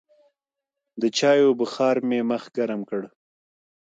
د چايو بخار مې مخ ګرم کړ.